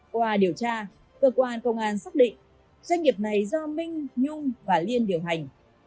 qua điều tra cơ quan công an xác định doanh nghiệp này do minh nhung và liên điều hành